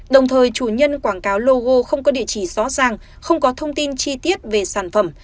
đồng thời chủ nhân quảng cáo logo không có địa chỉ rõ ràng không có thông tin chi tiết về sản phẩm